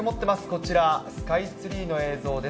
こちら、スカイツリーの映像です。